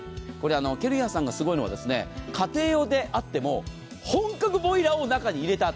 ケルヒャーさんがすごいのは家庭用であっても本格ボイラーを中に入れてある。